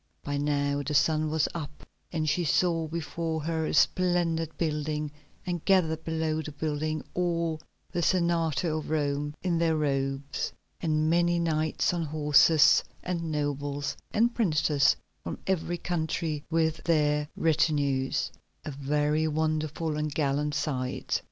By now the sun was up and she saw before her a splendid building, and gathered below the building all the Senate of Rome in their robes, and many knights on horses, and nobles, and princes from every country with their retinues—a very wonderful and gallant sight.